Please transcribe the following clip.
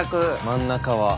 真ん中は。